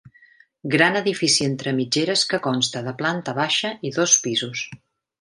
Gran edifici entre mitgeres que consta de planta baixa i dos pisos.